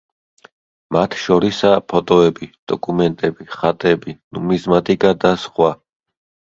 მათ შორისაა ფოტოები, დოკუმენტები, ხატები, ნუმიზმატიკა და სხვა.